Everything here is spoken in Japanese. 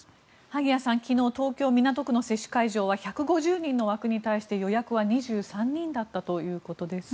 萩谷さん、昨日東京・港区の接種会場は１５０人の枠に対して予約は２３人だったということです。